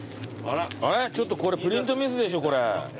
あれちょっとこれプリントミスでしょこれ。